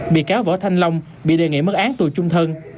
bị cáo võ thanh long bị đề nghị mức án tù chung thân